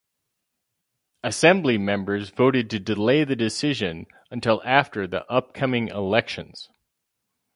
Assembly members voted to delay the decision until after the upcoming elections.